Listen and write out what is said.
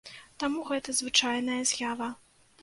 Таму гэта звычайная з'ява.